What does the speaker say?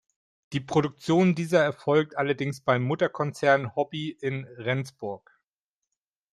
Die Produktion dieser erfolgt allerdings beim Mutterkonzern Hobby in Rendsburg.